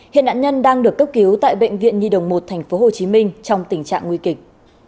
hiện nạn nhân đang được cấp cứu tại bệnh viện nhi đồng một tp hcm trong tình trạng nguy kịch